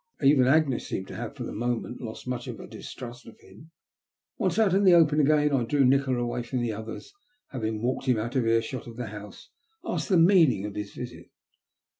Even Agnes seemed to have, for the moment, lost much of her distrust of him. Once out in the open again I drew Nikola away from the others, and having walked him out of earshot of the house, asked the meaning of his visit.